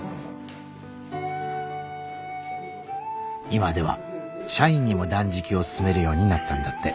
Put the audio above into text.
今では社員にも断食を勧めるようになったんだって。